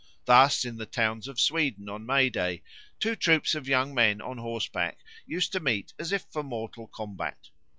Thus in the towns of Sweden on May Day two troops of young men on horseback used to meet as if for mortal combat.